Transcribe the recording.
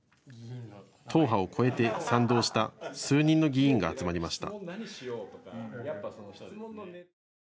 党派を超えて賛同した数人の議員が集まりました。